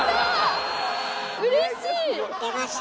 うれしい！